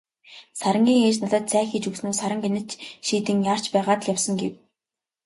Сарангийн ээж надад цай хийж өгснөө "Саран гэнэт шийдэн яарч байгаад л явсан" гэв.